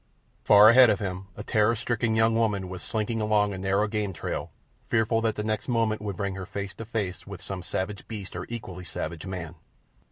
Far ahead of him a terror stricken young woman was slinking along a narrow game trail, fearful that the next moment would bring her face to face with some savage beast or equally savage man.